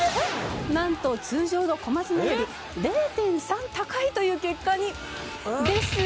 なんと通常の小松菜より０．３高いという結果に。